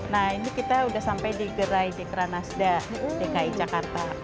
nah ini kita udah sampai di gerai dekra nasdaq dki jakarta